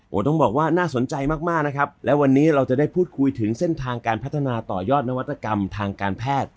โอ้โหต้องบอกว่าน่าสนใจมากมากนะครับและวันนี้เราจะได้พูดคุยถึงเส้นทางการพัฒนาต่อยอดนวัตกรรมทางการแพทย์